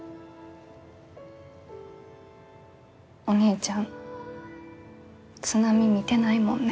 「お姉ちゃん津波見てないもんね」